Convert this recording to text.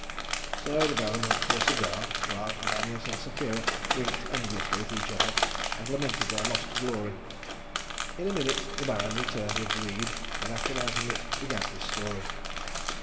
So the Baron went for a cigar, while Ananias and Sapphira winked enviously at each other and lamented their lost glory. In a minute the Baron returned with the weed, and after lighting it, began his story.